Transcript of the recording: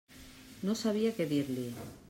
No sabia què dir-li.